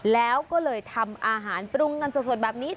แล้วก็เลยทำอาหารปรุงกันสดแบบนี้